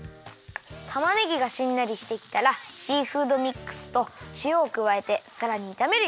たまねぎがしんなりしてきたらシーフードミックスとしおをくわえてさらにいためるよ。